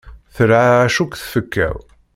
Terɛaɛec akk tfekka-w.